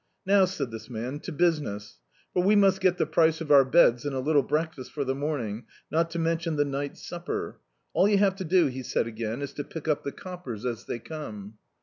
"Now," said this man, "to business; for we must get the price of our beds and a little break fast for the morning, not to mention the night's supper. AH you have to do," he said again, "is to pick up the coppers as they come."